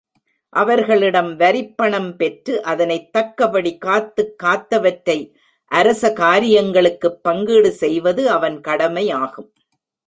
அவர்களிடம் வரிப்பணம் பெற்று அதனைத் தக்கபடி காத்துக் காத்தவற்றை அரச காரியங்களுக்குப் பங்கீடு செய்வது அவன் கடமை யாகும்.